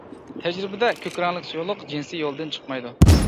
تەجرىبىدە كۆك رەڭلىك سۇيۇقلۇق جىنسىي يولدىن چىقمايدۇ.